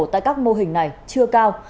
tại các mô hình này chưa cao